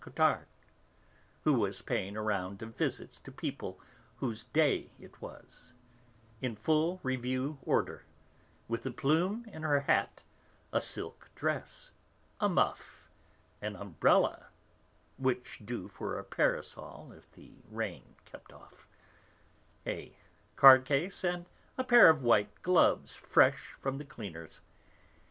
Cottard, who was paying a round of visits to people whose 'day' it was, in full review order, with a plume in her hat, a silk dress, a muff, an umbrella (which do for a parasol if the rain kept off), a card case, and a pair of white gloves fresh from the cleaners.